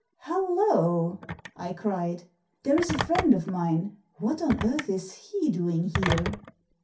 "Hollo!" I cried. "There is a friend of mine. What on earth is he doing here?"